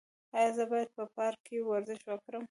ایا زه باید په پارک کې ورزش وکړم؟